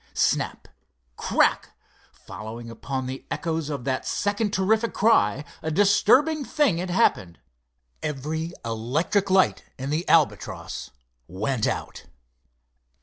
Snap—crack! Following upon the echoes of that second terrific cry, a disturbing thing had happened—every electric light in the Albatross went out!